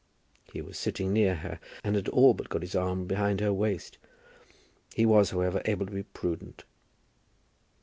He was sitting near her and had all but got his arm behind her waist. He was, however, able to be prudent.